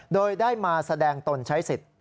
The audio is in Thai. โดยได้มาแสดงตนใช้สิทธิ์